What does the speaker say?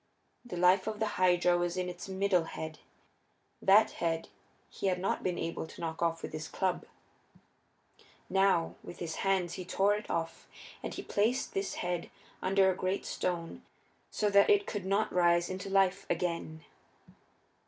The life of the Hydra was in its middle head; that head he had not been able to knock off with his club. Now, with his hands he tore it off, and he placed this head under a great stone so that it could not rise into life again.